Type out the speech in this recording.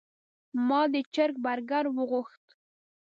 ما د چرګ برګر وغوښت.